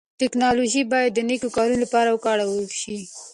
ټکنالوژي بايد د نيکو کارونو لپاره وکارول سي.